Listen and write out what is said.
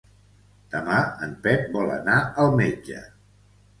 Demà en Pep vol anar al metge.